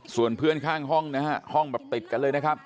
ส่วนเพื่อนข้างห้องนะฮะห้องแบบติดกันเลยนะครับ